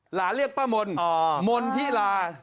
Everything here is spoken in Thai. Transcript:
หลานเรียกป้ามนมนที่ลา